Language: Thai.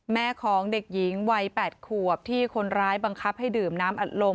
แม่ของเด็กหญิงวัย๘ขวบที่คนร้ายบังคับให้ดื่มน้ำอัดลม